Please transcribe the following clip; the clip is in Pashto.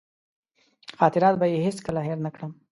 خاطرات به یې هېڅکله هېر نه کړم.